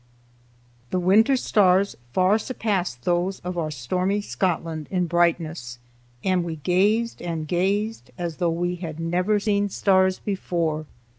The winter stars far surpassed those of our stormy Scotland in brightness, and we gazed and gazed as though we had never seen stars before.